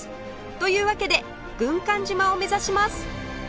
というわけで軍艦島を目指します